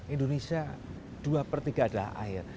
indonesia dua per tiga adalah air